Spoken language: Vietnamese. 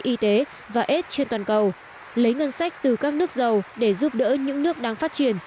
hội và aids trên toàn cầu lấy ngân sách từ các nước giàu để giúp đỡ những nước đang phát triển